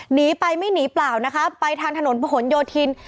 หนีไปไม่หนีเปล่านะคะไปทางถนนประหลโยธิน